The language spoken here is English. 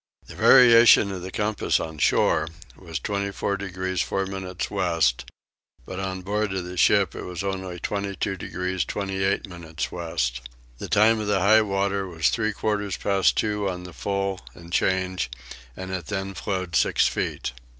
The variation of the compass on shore was 24 degrees 4 minutes west; but on board of the ship it was only 22 degrees 28 minutes west. The time of high water was three quarters past two on the full and change and it then flowed six feet.